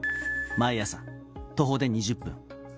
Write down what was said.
毎朝徒歩で２０分。